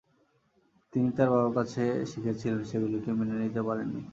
তিনি তাঁর বাবার কাছে শিখেছিলেন, সেগুলিকে মেনে নিতে পারেন নি।